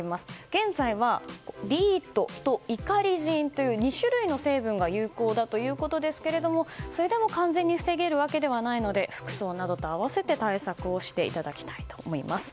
現在はディートとイカリジンという２種類の成分が有効だということですけれどもそれでも完全に防げるわけではないので服装などと併せて対策していただきたいと思います。